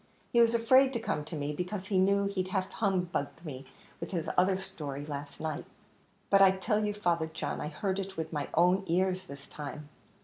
He was afraid to come to me, because he knew he'd half humbugged me with his other story last night." "But I tell you, Father John, I heard it all with my own ears this time."